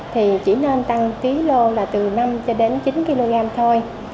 thì chỉ nên tăng tí lô là từ năm chín kg thôi